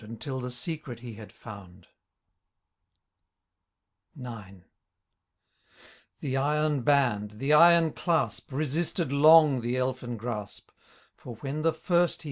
Until the secret he had found. IX. IX. The iron band, the iron clasp, Besisted long the elfin grasp :* At Unthank, two miles N.E.